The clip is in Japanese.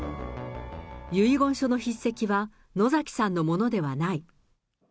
遺言書の筆跡は野崎さんのものではない。